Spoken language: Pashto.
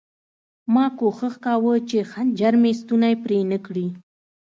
ما کوښښ کاوه چې خنجر مې ستونی پرې نه کړي